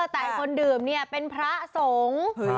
แต่คนดื่มเนี่ยเป็นพระสงฆ์